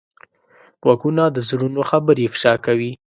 غوږونه د زړونو خبرې افشا کوي